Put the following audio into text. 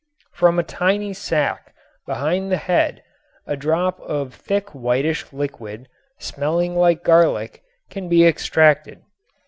From a tiny sac behind the head a drop of thick whitish liquid, smelling like garlic, can be extracted.